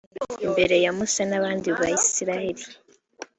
imbere ya musa n’abandi bayisraheli.